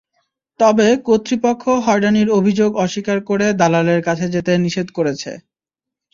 তবে কর্তৃপক্ষ হয়রানির অভিযোগ অস্বীকার করে দালালের কাছে যেতে নিষেধ করেছে।